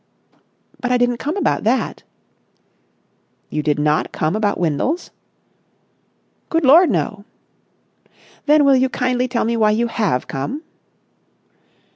"But I didn't come about that!" "You did not come about Windles?" "Good Lord, no!" "Then will you kindly tell me why you have come?"